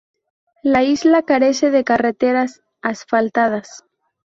La isla carece de carreteras asfaltadas.